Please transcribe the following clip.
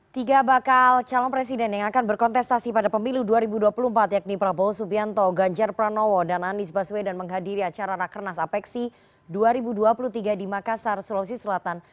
tiga bakal calon presiden yang akan berkontestasi pada pemilu dua ribu dua puluh empat yakni prabowo subianto ganjar pranowo dan anies baswedan menghadiri acara rakernas apeksi dua ribu dua puluh tiga di makassar sulawesi selatan